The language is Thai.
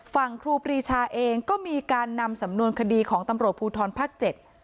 ครูปรีชาเองก็มีการนำสำนวนคดีของตำรวจภูทรภาคเจ็ด